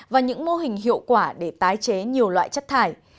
và những mô hình hiệu quả để tái chế nhiều loại chất thải